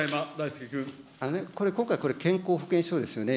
これ、今回、健康保険証ですよね。